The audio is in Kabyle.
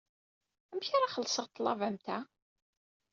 Amek ara xellṣeɣ ḍḍlaba am ta?